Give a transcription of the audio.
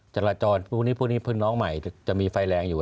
จรจรพวกนี้เพื่อนน้องใหม่จะมีไฟแรงอยู่